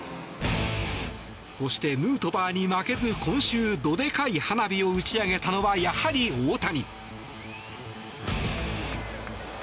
そして、ヌートバーに負けず今週どでかい花火を打ち上げたのはやはり大谷。